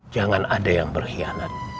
jangan ada yang berkhianat